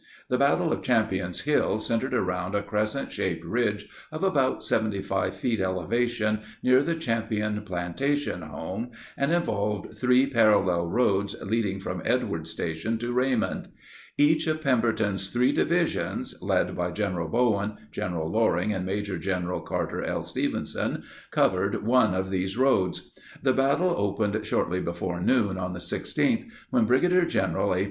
The battle of Champion's Hill centered around a crescent shaped ridge of about 75 feet elevation near the Champion plantation home and involved three parallel roads leading from Edwards Station to Raymond. Each of Pemberton's three divisions—led by General Bowen, General Loring, and Maj. Gen. Carter L. Stevenson—covered one of these roads. The battle opened shortly before noon on the 16th when Brig. Gen. A.